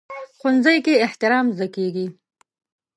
ښوونځی کې احترام زده کېږي